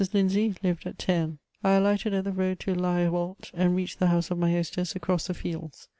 Lindsay lived at Themes. I alighted at the road to La Re volte, and reached the house of my hostess across the fields.